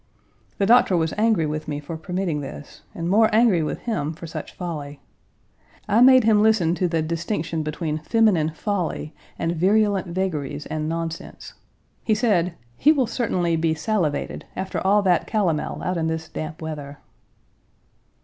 The doctor was angry with me for permitting this, and more angry with him for such folly. I made him listen to the distinction between feminine folly and virulent vagaries and nonsense. He said: "He will certainly be salivated after all that calomel out in this damp weather."